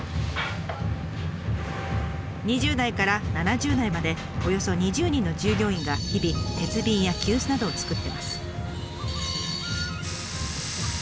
２０代から７０代までおよそ２０人の従業員が日々鉄瓶や急須などをつくってます。